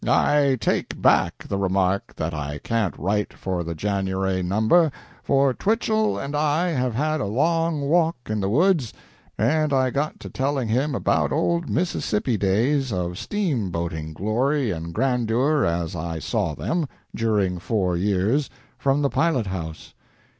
"I take back the remark that I can't write for the January number, for Twichell and I have had a long walk in the woods, and I got to telling him about old Mississippi days of steam boating glory and grandeur as I saw them (during four years) from the pilot house.